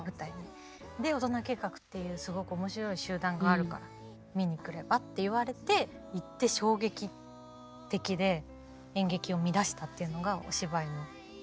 「大人計画っていうすごく面白い集団があるから見に来れば？」って言われて行って衝撃的で演劇を見だしたっていうのがお芝居のきっかけで。